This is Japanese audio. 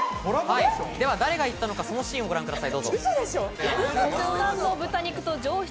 誰が言ったのか、そのシーンをご覧ください。